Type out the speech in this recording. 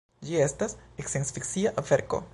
Ĝi estas sciencfikcia verko.